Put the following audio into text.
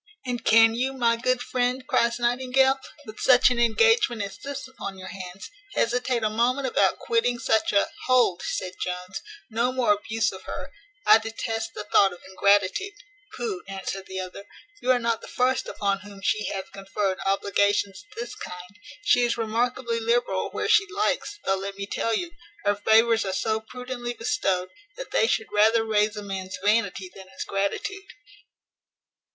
"And can you, my good friend," cries Nightingale, "with such an engagement as this upon your hands, hesitate a moment about quitting such a " "Hold," said Jones, "no more abuse of her: I detest the thought of ingratitude." "Pooh!" answered the other, "you are not the first upon whom she hath conferred obligations of this kind. She is remarkably liberal where she likes; though, let me tell you, her favours are so prudently bestowed, that they should rather raise a man's vanity than his gratitude."